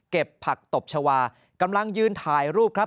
ผักตบชาวากำลังยืนถ่ายรูปครับ